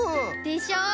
でしょ？